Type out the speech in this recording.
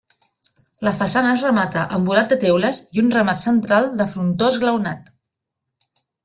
La façana es remata amb volat de teules i un remat central de frontó esglaonat.